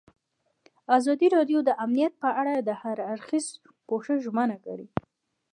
ازادي راډیو د امنیت په اړه د هر اړخیز پوښښ ژمنه کړې.